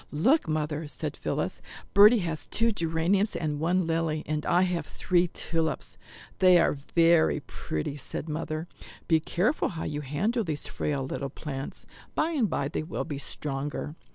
"Look, Mother," said Phillis, "Bertie has two geraniums and one lily, and I have three tulips." "They are very pretty," said Mother; "be careful how you handle these frail little plants. By and by they will be stronger."